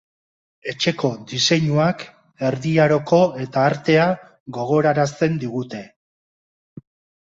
Etxeko diseinuak, erdi aroko eta artea gogorarazten digute.